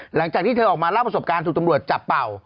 หลังจากที่เธอออกมาเล่าประสบการณ์ถูกตำรวจจับเป่า